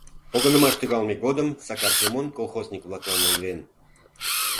Погынымаш тӱҥалме годым Сакар Семон колхозник-влаклан ойлен: